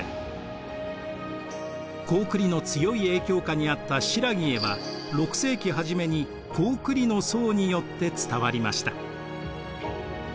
高句麗の強い影響下にあった新羅へは６世紀初めに高句麗の僧によって伝わりました。